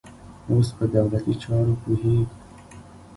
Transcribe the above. اوس په دولتي چارو پوهېږي.